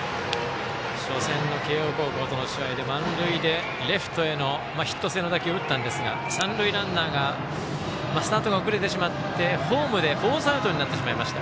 初戦の慶応高校との試合で満塁でレフトへのヒット性の打球を打ったんですが、三塁ランナーがスタートが遅れてしまってホームでフォースアウトになってしまいました。